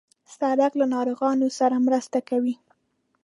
سړک له ناروغانو سره مرسته کوي.